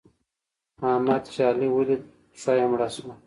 احمد چې علي وليد؛ خپه يې مړه شول.